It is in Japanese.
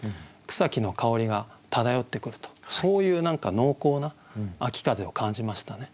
草木の香りが漂ってくるとそういう濃厚な秋風を感じましたね。